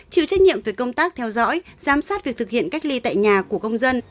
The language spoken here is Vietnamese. chịu trách nhiệm về công tác theo dõi giám sát việc thực hiện cách ly tại nhà của công dân